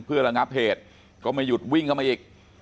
เพื่อระงับเหตุก็ไม่หยุดวิ่งเข้ามาอีก